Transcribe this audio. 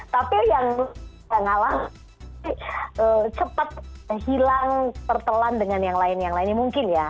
tapi yang gak ngalah cepat hilang pertelan dengan yang lain lainnya mungkin ya